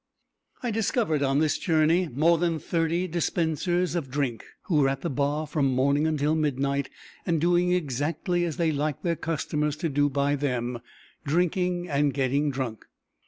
I discovered on this journey more than thirty dispensers of drink who were at the bar from morning until midnight, and doing exactly as they like their customers to do by them; drinking and getting drunk.